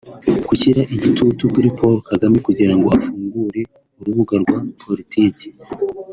Gushyira igitutu kuri Paul Kagame kugira ngo afungure urubuga rwa politiki